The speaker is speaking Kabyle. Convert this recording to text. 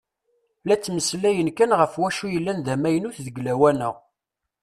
La ttmeslayen kan ɣef wacu yellan d amaynut deg lawan-a.